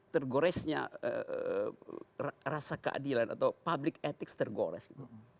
tergoresnya rasa keadilan atau public ethics tergores gitu